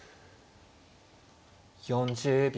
４０秒。